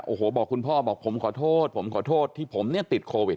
โอ้โหบอกคุณพ่อบอกผมขอโทษผมขอโทษที่ผมเนี่ยติดโควิด